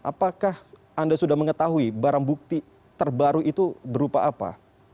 apakah anda sudah mengetahui barang bukti terbaru itu berupa apa